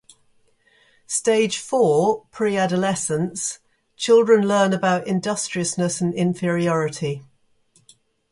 Stage four, pre-adolescence, children learn about industriousness and inferiority.